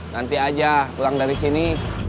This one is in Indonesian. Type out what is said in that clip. nanti aja pulang dari sini